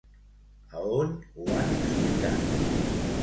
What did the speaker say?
A on ho han explicat?